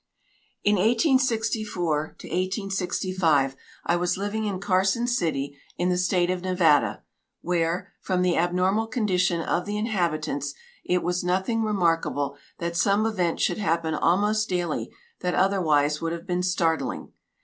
In 1864 65 I was living in Carson City, in the State of Nevada, where, from the abnormal condition of the inhabitants, it was nothing remarkable that some event should happen almost daily that otherwise would have been startling.